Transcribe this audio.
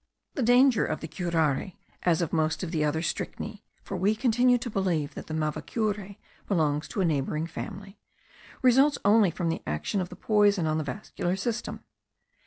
The danger of the curare, as of most of the other strychneae (for we continue to believe that the mavacure belongs to a neighbouring family), results only from the action of the poison on the vascular system.